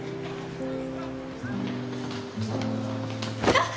あっ。